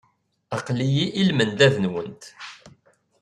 Aql-iyi i lmendad-nwent.